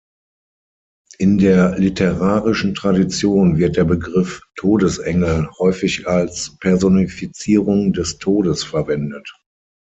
In der literarischen Tradition wird der Begriff „Todesengel“ häufig als Personifizierung des Todes verwendet.